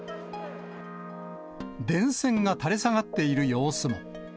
電線が垂れ下がっている様子も。